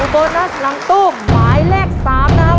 โบนัสหลังตู้หมายเลข๓นะครับ